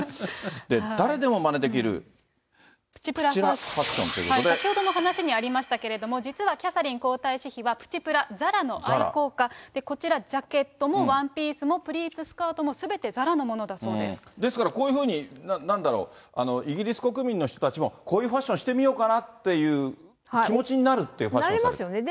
誰でもまねできるプチプラファッ先ほども話にありましたけれども、実はキャサリン皇太子妃は、プチプラ、ＺＡＲＡの愛好家、こちら、ジャケットもワンピースもプリーツスカートもすべてＺＡＲＡのもですからこういうふうに、なんだろう、イギリス国民の人たちも、こういうファッションしてみようかなっていう気持ちになるっていなりますよね。